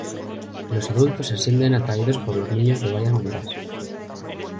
Los adultos se sienten atraídos por los niños de varias maneras.